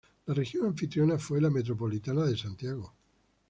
La región anfitriona fue la Metropolitana de Santiago.